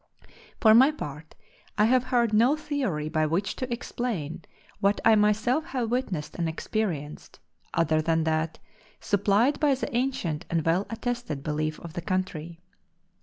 For my part I have heard no theory by which to explain what I myself have witnessed and experienced, other than that supplied by the ancient and well attested belief of the country.